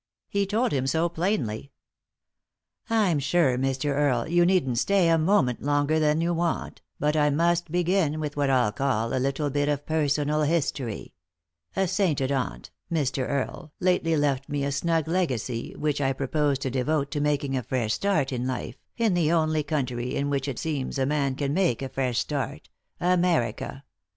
He told friTTi so plainly. • 269 3i 9 iii^d by Google THE INTERRUPTED KISS " I'm sure, Mr. Rarle, you needn't stay a moment longer than you want, but I must begin with what I'll call a little bit of personal history. A sainted aunt, Mr. Karle, lately left me a snug legacy which I proposed to devote to making a fresh start in life, in the only country in which it seems a man can make a ftesh start — America.